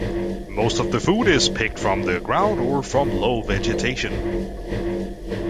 Most of the food is picked from the ground or from low vegetation.